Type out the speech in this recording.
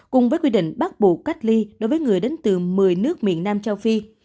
cùng với quy định bắt buộc cách ly đối với người đến từ một mươi nước miền nam châu phi